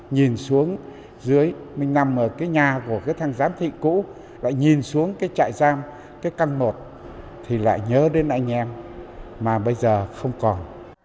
nhìn xuống dưới mình nằm ở cái nhà của cái thang giám thị cũ lại nhìn xuống cái trại giam cái căn một thì lại nhớ đến anh em mà bây giờ không còn